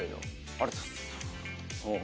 ありがとうございます。